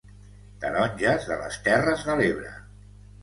Taronges de les terres de l'Ebre